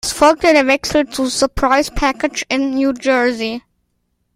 Es folgte der Wechsel zu „Surprise Package“ in New Jersey.